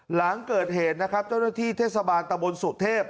หลังเกิดเหตุนะครับเจ้าหน้าที่เทศบาลตะบนสุเทพ